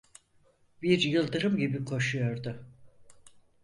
Bir yıldırım gibi koşuyordu.